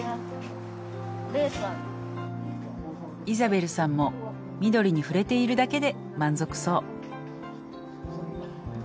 イザベルさんも緑に触れているだけで満足そう。